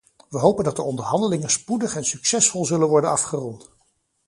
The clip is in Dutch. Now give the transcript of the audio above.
We hopen dat de onderhandelingen spoedig en succesvol zullen worden afgerond.